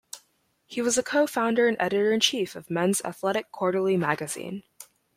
He was a co-founder and editor-in-chief of "Men's Athletic Quarterly Magazine".